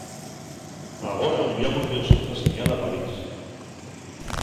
Agora unviámos-yos otra señal a París.